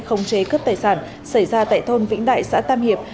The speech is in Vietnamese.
không chế cướp tài sản xảy ra tại thôn vĩnh đại xã tam hiệp